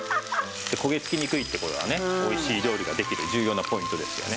こげつきにくいってこれはね美味しい料理ができる重要なポイントですよね。